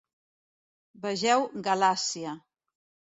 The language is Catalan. Vegeu Galàcia.